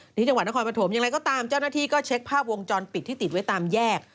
ที่จังหวัดนครปฐมอย่างไรก็ตามเจ้าหน้าที่ก็เช็คภาพวงจรปิดที่ติดไว้ตามแยก